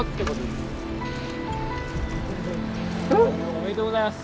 おめでとうございます！